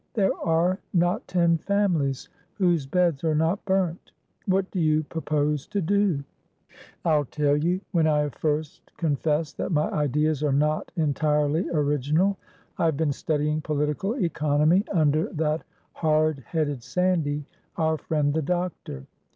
There are not ten families whose beds are not burnt. What do you propose to do?" "I'll tell you, when I have first confessed that my ideas are not entirely original. I have been studying political economy under that hard headed Sandy, our friend the doctor.